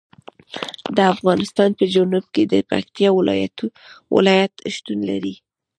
د افغانستان په جنوب کې د پکتیکا ولایت شتون لري.